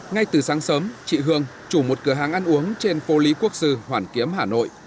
ngay từ sáng sớm chị hương chủ một cửa hàng ăn uống trên phố lý quốc sư hoàn kiếm hà nội